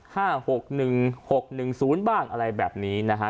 หกหนึ่งหกหนึ่งศูนย์บ้างอะไรแบบนี้นะฮะ